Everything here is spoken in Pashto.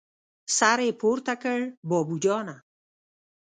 سر يې پورته کړ: بابو جانه!